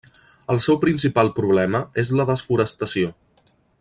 El seu principal problema és la desforestació.